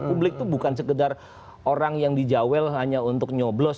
publik itu bukan sekedar orang yang dijawel hanya untuk nyoblos